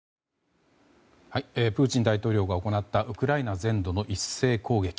プーチン大統領が行ったウクライナ全土の一斉攻撃。